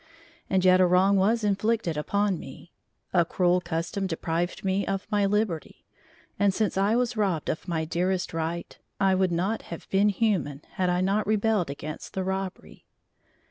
And yet a wrong was inflicted upon me; a cruel custom deprived me of my liberty, and since I was robbed of my dearest right, I would not have been human had I not rebelled against the robbery.